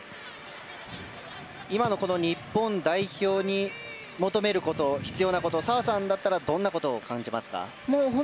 今の日本代表に求めること必要なことは澤さんだったらどんなことを感じますか。